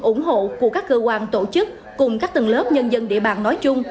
ủng hộ của các cơ quan tổ chức cùng các tầng lớp nhân dân địa bàn nói chung